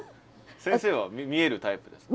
先生は見えるタイプですか？